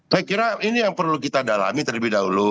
saya kira ini yang perlu kita dalami terlebih dahulu